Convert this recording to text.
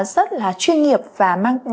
rất là chuyên nghiệp và